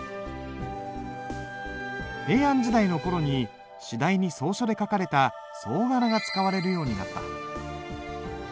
平安時代の頃に次第に草書で書かれた草仮名が使われるようになった。